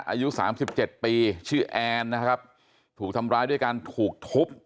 อายุสามสิบเจ็ดปีชื่อแอนนะครับถูกทำร้ายด้วยการถูกทุบ